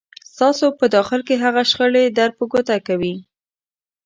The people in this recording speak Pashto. ستاسو په داخل کې هغه شخړې در په ګوته کوي.